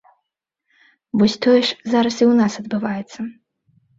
Вось тое ж зараз і ў нас адбываецца.